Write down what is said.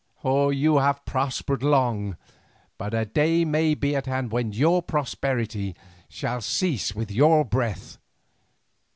You have prospered long, but a day may be at hand when your prosperity shall cease with your breath.